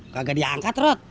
kagak diangkat rot